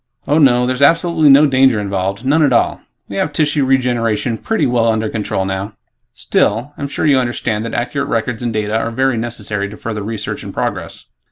"Oh, no. There's absolutely no danger involved. None at all. We have tissue regeneration pretty well under control now. Still, I'm sure you understand that accurate records and data are very necessary to further research and progress."